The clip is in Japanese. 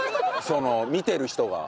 その見てる人が。